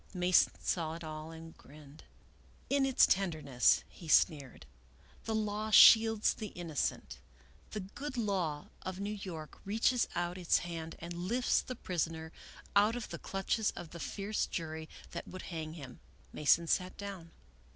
Alason saw it all, and grinned. " In its tenderness," he sneered, " the law shields the innocent. The good law of New York reaches out its hand and lifts the prisoner out of the clutches of the fierce jury that would hang him." Mason sat down.